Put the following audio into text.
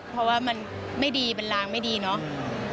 เพราะว่ามันไม่ดีเป็นลางไม่ดีเนาะ